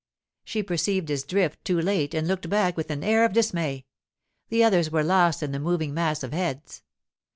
She perceived his drift too late and looked back with an air of dismay. The others were lost in the moving mass of heads.